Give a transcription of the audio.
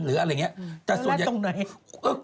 แรดตรงไหน